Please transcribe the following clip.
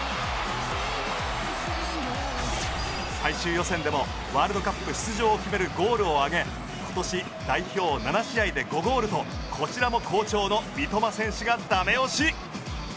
最終予選でもワールドカップ出場を決めるゴールを挙げ今年代表７試合で５ゴールとこちらも好調の三笘選手がダメ押し。